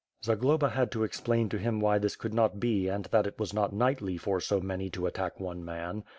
Zagloba had to explain to him why this could not be and that it was not knightly for so many to attack one man.